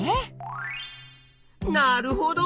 なるほど！